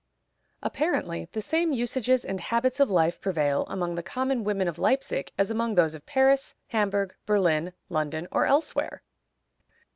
Apparently the same usages and habits of life prevail among the common women of Leipzig as among those of Paris, Hamburg, Berlin, London, or elsewhere.